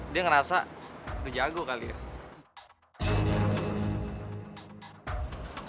dia ngerasa udah jago kali ya